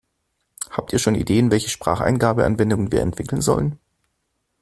Habt ihr schon Ideen, welche Spracheingabe-Anwendungen wir entwickeln sollen?